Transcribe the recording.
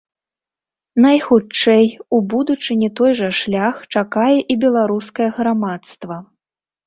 Найхутчэй у будучыні той жа шлях чакае і беларускае грамадства.